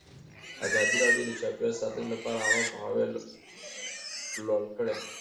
ازادي راډیو د چاپیریال ساتنه لپاره عامه پوهاوي لوړ کړی.